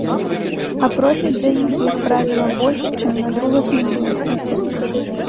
А просяць за іх, як правіла, больш, чым на другасным рынку.